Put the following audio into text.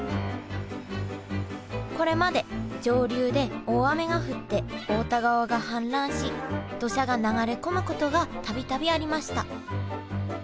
これまで上流で大雨が降って太田川が氾濫し土砂が流れ込むことが度々ありました。